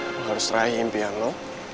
lo harus raih impian lo